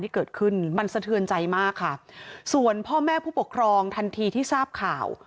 ที่เกิดขึ้นมันสะเทือนใจมากค่ะส่วนพ่อแม่ผู้ปกครองทันทีที่ทราบข่าว